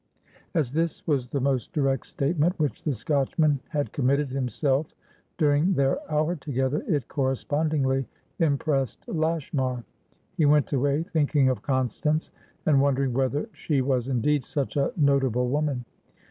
As this was the most direct statement which the Scotchman had committed himself during their hour together, it correspondingly impressed Lashmar. He went away thinking of Constance, and wondering whether she was indeed such a notable woman.